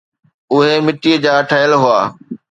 اهي مٽيءَ جا ٺهيل هئا.